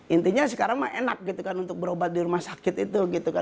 intinya sekarang mah enak gitu kan untuk berobat di rumah sakit itu gitu kan